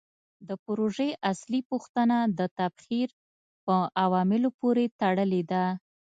د پروژې اصلي پوښتنه د تبخیر په عواملو پورې تړلې ده.